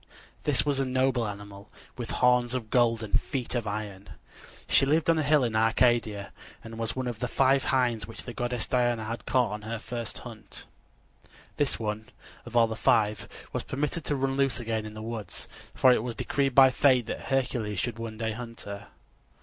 This was a noble animal, with horns of gold and feet of iron. She lived on a hill in Arcadia, and was one of the five hinds which the goddess Diana had caught on her first hunt. This one, of all the five, was permitted to run loose again in the woods, for it was decreed by fate that Hercules should one day hunt her.